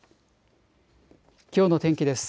きょうの天気です。